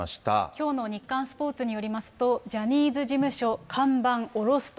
きょうの日刊スポーツによりますと、ジャニーズ事務所看板下ろすと。